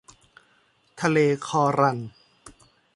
ทะเลคอรัล